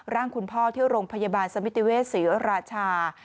ร่างคุณพ่อที่โรงพยาบาลสมิติเวศศรีราชา